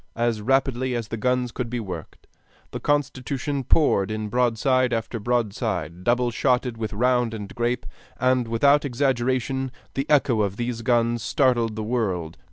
As rapidly as the guns could be worked, the Constitution poured in broadside after broadside, double shotted with round and grape; and without exaggeration, the echo of these guns startled the world.